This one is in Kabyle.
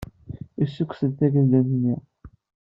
Yessukkes-d tageldunt-nni.